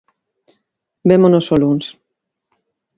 Vémonos o luns.